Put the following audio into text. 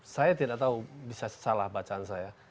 saya tidak tahu bisa salah bacaan saya